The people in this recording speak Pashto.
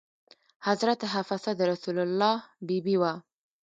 حضرت حفصه د رسول الله بي بي وه.